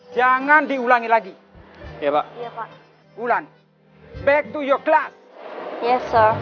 jangan lupa like share dan subscribe